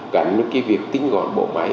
gắn với cái việc tính gọn bộ máy